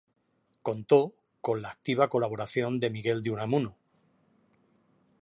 Contó con la activa colaboración de Miguel de Unamuno.